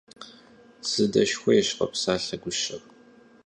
– Сыдэшхуейщ, – къопсалъэ гущэр.